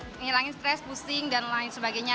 menghilangkan stres pusing dan lain sebagainya